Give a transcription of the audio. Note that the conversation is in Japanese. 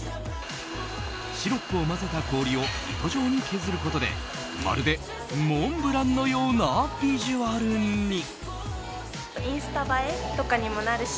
シロップを混ぜた氷を糸状に削ることでまるでモンブランのようなビジュアルに。